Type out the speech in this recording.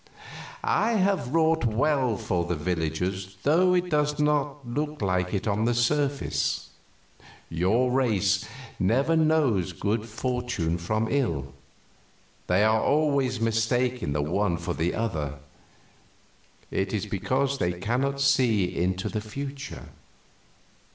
"I have wrought well for the villagers, though it does not look like it on the surface. Your race never know good fortune from ill. They are always mistaking the one for the other. It is because they cannot see into the future.